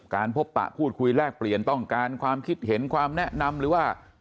การพบปะพูดคุยแลกเปลี่ยนต้องการความคิดเห็นความแนะนำหรือว่า